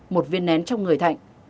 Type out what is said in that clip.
một viên nén trong người thạnh